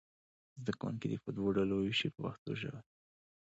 زده کوونکي دې په دوو ډلو وویشئ په پښتو ژبه.